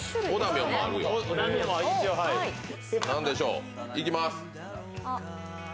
何でしょう、いきます。